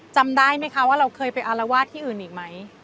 จำได้ไหมคะว่าเราเคยไปอารวาสที่อื่นอีกไหม